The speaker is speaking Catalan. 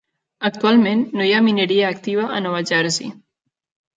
Actualment, no hi mineria activa a Nova Jersey.